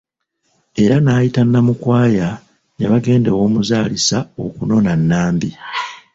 Era n'ayita Namukwaya ne bagenda ew'omuzaalisa okunona Nambi.